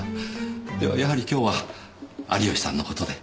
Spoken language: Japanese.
ではやはり今日は有吉さんのことで？